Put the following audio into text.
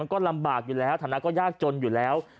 ก็ลำบากอยู่แล้วฐานะก็ยากจนอยู่แล้ว